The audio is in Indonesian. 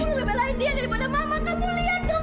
kamu lebih belain dia daripada mama kamu lihat dong